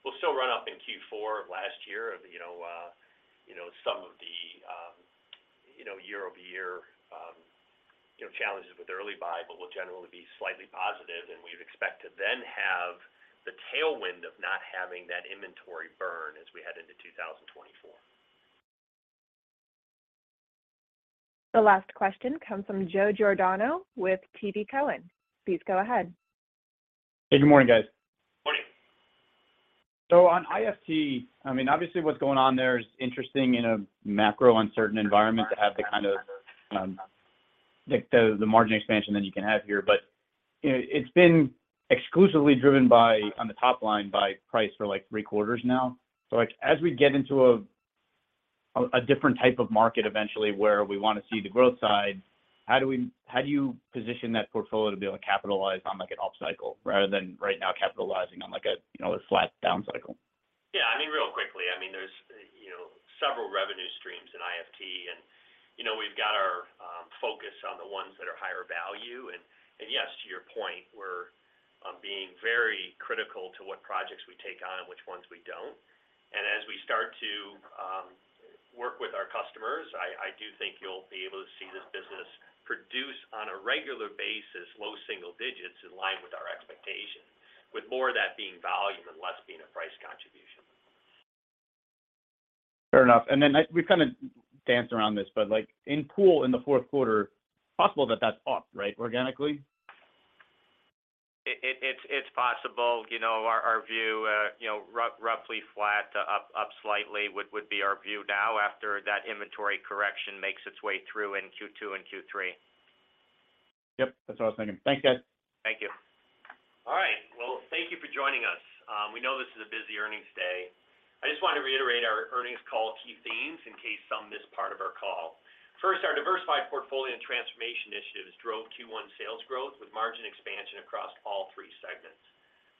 We'll still run up in Q4 of last year of, you know, some of the, you know, year-over-year You know, challenges with early buy, but we'll generally be slightly positive, and we would expect to then have the tailwind of not having that inventory burn as we head into 2024. The last question comes from Joe Giordano with TD Cowen. Please go ahead. Hey, good morning, guys. Morning. On IFT, I mean, obviously, what's going on there is interesting in a macro uncertain environment to have the kind of, like the margin expansion that you can have here. You know, it's been exclusively driven by, on the top line, by price for like three quarters now. Like, as we get into a different type of market eventually where we wanna see the growth side, how do you position that portfolio to be able to capitalize on like an up cycle rather than right now capitalizing on like a, I just want to reiterate our earnings call key themes in case some missed part of our call. First, our diversified portfolio and transformation initiatives drove Q1 sales growth with margin expansion across all three segments.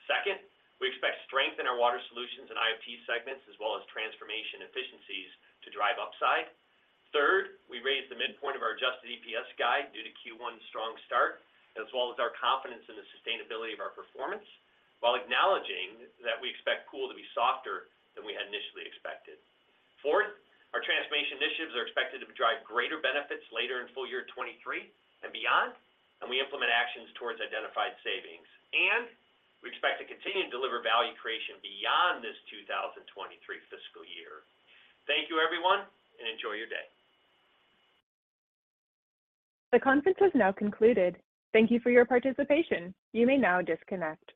Second, we expect strength in our Water Solutions and IFT segments, as well as transformation efficiencies to drive upside. Third, we raised the midpoint of our adjusted EPS guide due to Q1 strong start, as well as our confidence in the sustainability of our performance, while acknowledging that we expect Pool to be softer than we had initially expected. Fourth, our transformation initiatives are expected to drive greater benefits later in full year 2023 and beyond. We implement actions towards identified savings. We expect to continue to deliver value creation beyond this 2023 fiscal year. Thank you, everyone, and enjoy your day. The conference has now concluded. Thank you for your participation. You may now disconnect.